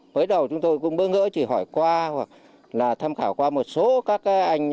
mới đầu chúng tôi cũng bỡ ngỡ chỉ hỏi qua hoặc là tham khảo qua một số các anh